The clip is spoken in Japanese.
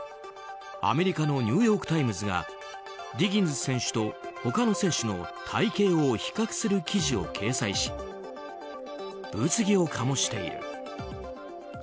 アメリカのニューヨーク・タイムズがディギンズ選手と他の選手の体形を比較する記事を掲載し物議を醸している。